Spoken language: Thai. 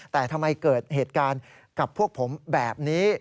แต่ทำไมเกิดเหตุการณ์กับพวกผมแบบนี้